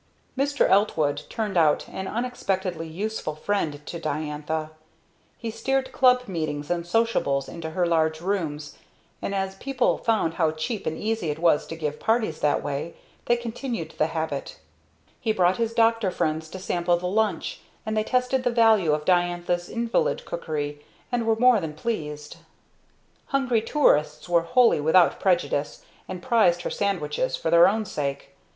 Mr. Eltwood turned out an unexpectedly useful friend to Diantha. He steered club meetings and "sociables" into her large rooms, and as people found how cheap and easy it was to give parties that way, they continued the habit. He brought his doctor friends to sample the lunch, and they tested the value of Diantha's invalid cookery, and were more than pleased. Hungry tourists were wholly without prejudice, and prized her lunches for their own sake.